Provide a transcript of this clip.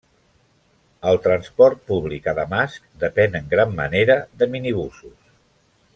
El transport públic a Damasc depèn en gran manera de minibusos.